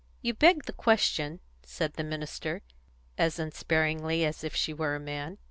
"You beg the question," said the minister, as unsparingly as if she were a man.